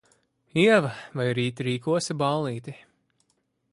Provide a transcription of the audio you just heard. Ieva, vai rīt rīkosi ballīti?